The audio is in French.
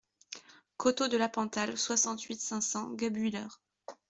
Côteaux de l'Appenthal, soixante-huit, cinq cents Guebwiller